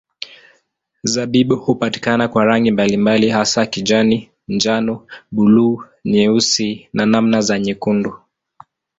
Zabibu hupatikana kwa rangi mbalimbali hasa kijani, njano, buluu, nyeusi na namna za nyekundu.